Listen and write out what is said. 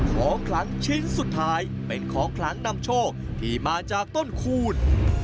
ของขลังชิ้นสุดท้ายเป็นของขลังนำโชคที่มาจากต้นคูณ